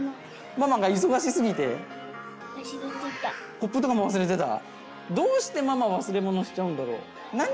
コップとかも忘れてた？